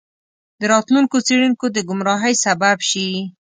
د راتلونکو څیړونکو د ګمراهۍ سبب شي.